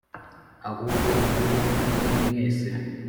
ahubwo muri umwe mwese